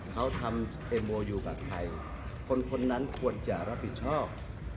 เขาทำเอโมอยู่กับใครคนนั้นควรจะรับผิดชอบ